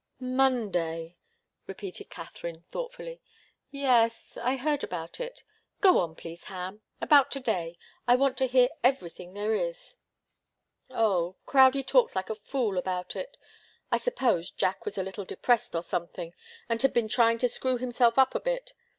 "Monday," repeated Katharine, thoughtfully. "Yes I heard about it. Go on, please, Ham about to day. I want to hear everything there is." "Oh Crowdie talks like a fool about it. I suppose Jack was a little depressed, or something, and had been trying to screw himself up a bit.